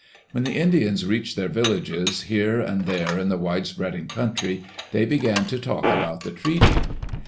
When the Indians reached their villages, here and there in the wide spreading country, they began to talk about the treaty.